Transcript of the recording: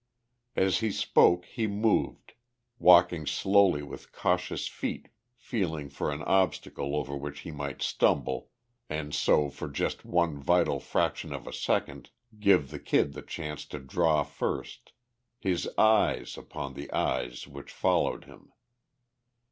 As he spoke he moved, walking slowly with cautious feet feeling for an obstacle over which he might stumble and so for just the one vital fraction of a second give the Kid the chance to draw first, his eyes upon the eyes which followed him.